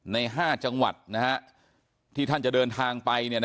ใน๕จังหวัดนะครับที่ท่านจะเดินทางไป